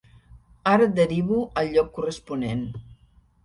Ara et derivo al lloc corresponent.